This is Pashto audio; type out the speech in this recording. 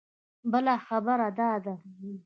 بله خبره دا ده.